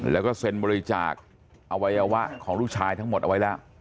แล้วก็เซ็นบริจาคอวัยวะของลูกชายทั้งหมดเอาไว้แล้ว